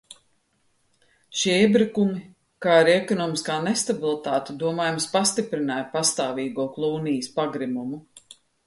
Šie iebrukumi, kā arī ekonomiskā nestabilitāte, domājams, pastiprināja pastāvīgo Klūnijas pagrimumu.